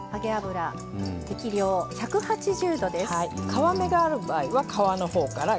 皮目がある場合は皮の方から。